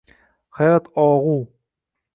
Hayot og’u